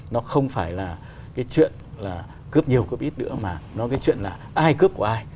nó không phải là cái chuyện là cướp nhiều cướp ít nữa mà nói cái chuyện là ai cướp của ai